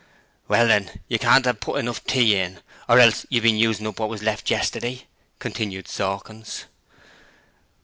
'Well then, you can't have put enough tea in, or else you've bin usin' up wot was left yesterday,' continued Sawkins.